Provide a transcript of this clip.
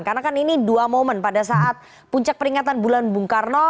karena kan ini dua momen pada saat puncak peringatan bulan bung karno